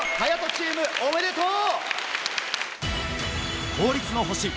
チームおめでとう！